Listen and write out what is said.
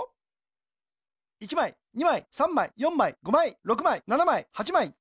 １まい２まい３まい４まい５まい６まい７まい８まい。